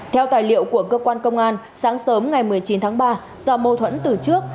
theo tài liệu của cơ quan công an sáng sớm ngày một mươi chín tháng ba do mâu thuẫn từ trước